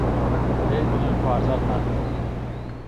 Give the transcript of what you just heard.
پێی بڵێن خوارزات هات